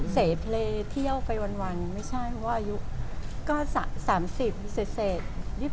เสพเลเที่ยวไปวันไม่ใช่ว่าอายุ๓๐เสร็จ